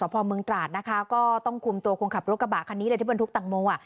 ตำรวจสภอมร์เมืองตลาดนะคะก็ต้องคุมตัวควงขับรถกระบะคันนี้เลยที่บนทุกต่างโมงอ่ะ